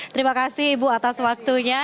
terima kasih ibu atas waktunya